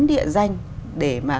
bốn địa danh để mà